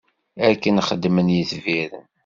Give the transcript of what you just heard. Akken xeddmen yetbiren.